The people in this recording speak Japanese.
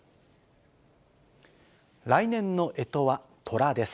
来年のえとはとらです。